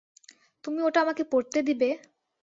তুমি ওটা আমাকে পরতে দিবে?